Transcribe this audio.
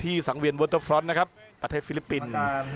สังเวียนเวิร์เตอร์ฟรอนด์นะครับประเทศฟิลิปปินส์